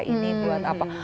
ini buat apa